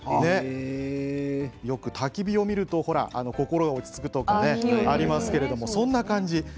よくたき火を見ると心落ち着くとかありますけれどそんな感じ。